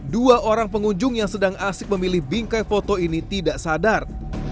dua orang pengunjung yang sedang asik memilih bingkai foto ini tidak sadar